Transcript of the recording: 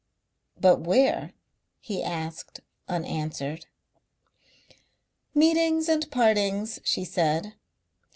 "But where?" he asked unanswered.... "Meetings and partings," she said.